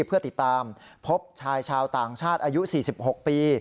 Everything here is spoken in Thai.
เพื่อติดตามพบชายชาวต่างชาติอายุ๔๖ปี